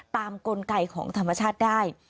กลไกของธรรมชาติได้